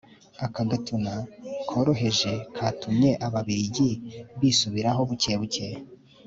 aka gatuna koroheje katumye ababiligi bisubiraho buke buke